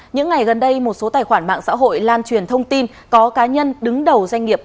những ngày gần đây một số tài khoản mạng xã hội lan truyền thông tin có cá nhân đứng đầu doanh nghiệp